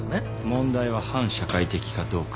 問題は反社会的かどうか。